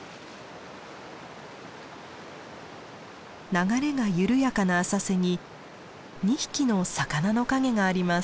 流れが緩やかな浅瀬に２匹の魚の影があります。